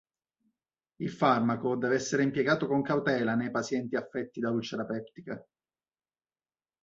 Il farmaco deve essere impiegato con cautela nei pazienti affetti da ulcera peptica.